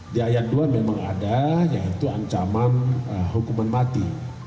di ayat dua memang ada yaitu ancaman hukuman mati